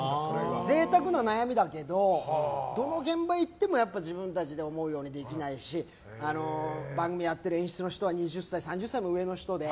贅沢な悩みだけどどの現場に行ってもやっぱ自分たちで思うようにできないし番組やってる演出の人は２０歳も３０歳も上の人で。